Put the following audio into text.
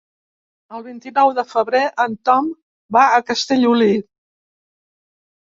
El vint-i-nou de febrer en Tom va a Castellolí.